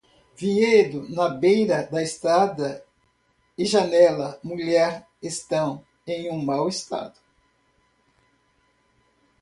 Vinhedo na beira da estrada e janela mulher estão em mau estado.